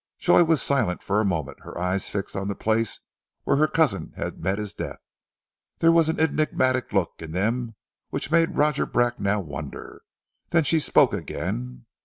Joy was silent for a moment, her eyes fixed on the place where her cousin had met his death. There was an enigmatic look in them which made Roger Bracknell wonder. Then she spoke again.